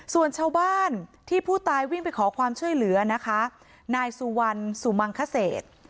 ส่วนชาวบ้านที่ผู้ตายวิ่งไปขอความช่วยเหลือนะคะนายสุวรรณสุมังคเศษ